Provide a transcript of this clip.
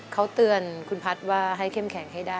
เขาเตือนคุณพัฒน์ว่าให้เข้มแข็งให้ได้